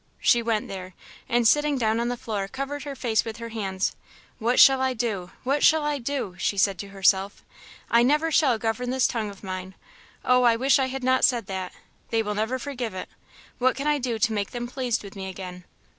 She went there, and sitting down on the floor, covered her face with her hands. "What shall I do? what shall I do?" she said to herself, "I never shall govern this tongue of mine. Oh, I wish I had not said that! they will never forgive it. What can I do to make them pleased with me again?